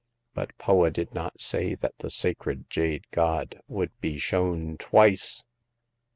But Poa did not say that the sacred jade god would be shown twice